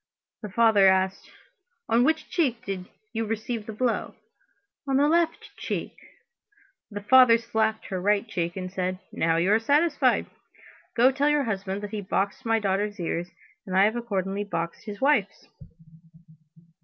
The father asked: "On which cheek did you receive the blow?" "On the left cheek." The father slapped her right cheek and said: "Now you are satisfied. Go tell your husband that he boxed my daughter's ears, and that I have accordingly boxed his wife's."